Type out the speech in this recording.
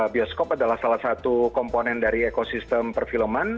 bioskop adalah salah satu komponen dari ekosistem perfilman